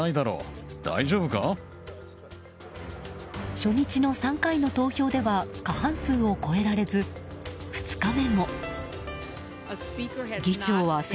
初日の３回の投票では過半数を超えらえず、２日目も。